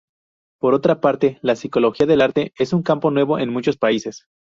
Por otra parte, la Psicología del arte es un campo nuevo en muchos países.